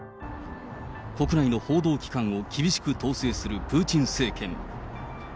国内の報道機関を厳しく統制するプーチン政権。